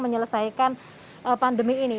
menyelesaikan pandemi ini